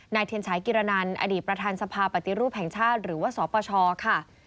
เทียนชายกิรนันอดีตประธานสภาปฏิรูปแห่งชาติหรือว่าสปชค่ะ